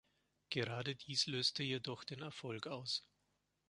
Gerade dies löste jedoch den Erfolg aus.